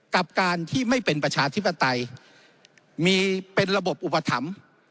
กับการที่ไม่เป็นประชาธิปไตยมีเป็นระบบอุปถัมภ์